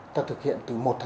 cái mức hai